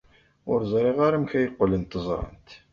Ur ẓriɣ ara amek ay qqlent ẓrant.